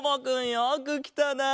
よくきたな。